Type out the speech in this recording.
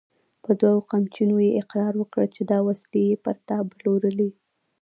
په دوو قمچينو يې اقرار وکړ چې دا وسلې يې پر تا پلورلې!